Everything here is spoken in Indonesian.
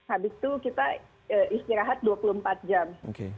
habis itu kita istirahat dua puluh empat jam